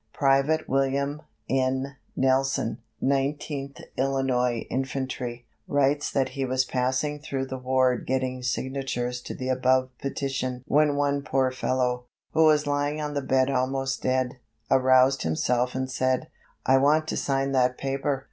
Private William N. Nelson, Nineteenth Illinois Infantry, writes that he was passing through the ward getting signatures to the above petition when one poor fellow, who was lying on the bed almost dead, aroused himself and said: "I want to sign that paper.